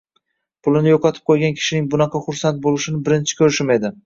Pulini yo’qotib qo’ygan kishining bunaqa xursand bo’lishini birinchi ko’rishim edi.